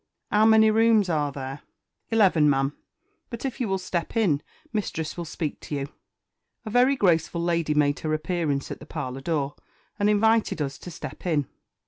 "'Ow many rooms are there?" "Eleven, ma'am; but if you will step in, mistress will speak to you." A very graceful lady made her appearance at the parlour door, and invited us to step in.